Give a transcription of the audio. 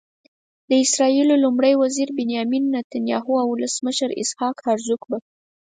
د اسرائیلو لومړي وزير بنیامین نتنیاهو او ولسمشر اسحاق هرزوګ به.